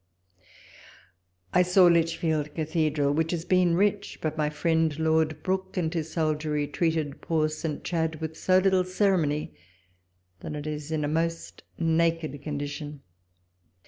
I saw Lichfield Cathedral, which has been rich, but my friend Lord Brooke and his soldiery treated poor St. Chad with so little ceremony, that it is in a most naked condition.